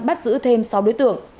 bắt giữ thêm sáu đối tượng